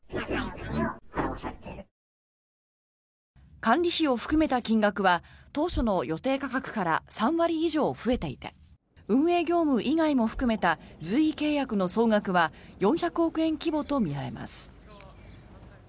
管理費を含めた金額は当初の予定価格から３割以上増えていて運営業務以外も含めた随意契約の総額は４００億円規模とみられます。